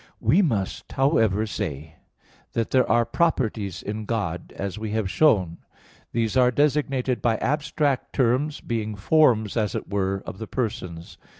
2). We must, however, say that there are properties in God; as we have shown (Q. 32, A. 2). These are designated by abstract terms, being forms, as it were, of the persons.